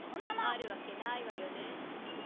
あるわけないわよねぇ。